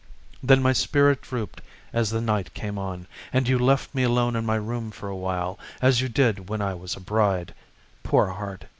Then my spirit drooped as the night came on, And you left me alone in my room for a while, As you did when I was a bride, poor heart.